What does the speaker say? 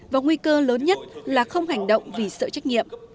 và nguy cơ lớn nhất là không hành động vì sợ trách nhiệm